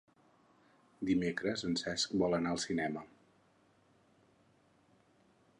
Dimecres en Cesc vol anar al cinema.